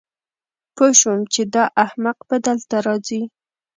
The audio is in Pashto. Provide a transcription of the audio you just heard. پوه شوم چې دا احمق به دلته راځي